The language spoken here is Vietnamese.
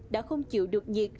đã không chịu được nhiệt